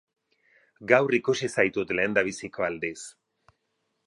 Gaur ikusi zaitut lehendabiziko aldiz.